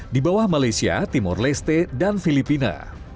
di bawah malaysia timur leste dan filipina